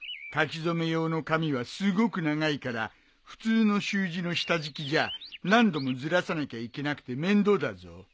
書き初め用の紙はすごく長いから普通の習字の下敷きじゃ何度もずらさなきゃいけなくて面倒だぞ。